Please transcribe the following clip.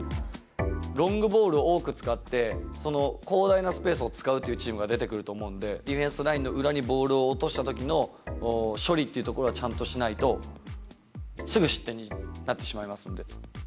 ロングボールを多く使って、その広大なスペースを使うというチームが出てくると思うんで、ディフェンスラインの裏にボールを落としたときの処理っていうところはちゃんとしないとすぐ失点になってしまいますので。